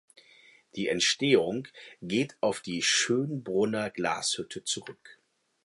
Die Entstehung geht auf die Schönbrunner Glashütte zurück.